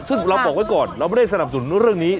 ซึ่งเราบอกไว้ก่อนเราไม่ได้สนับสนุนเรื่องนี้